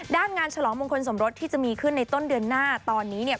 งานฉลองมงคลสมรสที่จะมีขึ้นในต้นเดือนหน้าตอนนี้เนี่ย